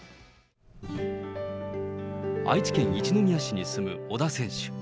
愛知県一宮市に住む小田選手。